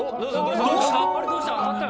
どうした？